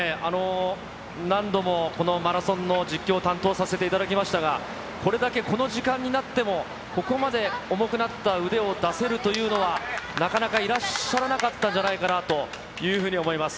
何度もこのマラソンの実況を担当させていただきましたが、これだけこの時間になっても、ここまで重くなった腕を出せるというのは、なかなかいらっしゃらなかったんじゃないかなというふうに思います。